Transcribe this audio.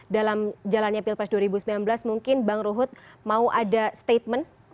dalam jalannya pilpres dua ribu sembilan belas mungkin bang ruhut mau ada statement